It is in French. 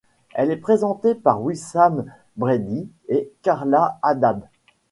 Elle est présentée par Wissam Breidy et Carla Haddad.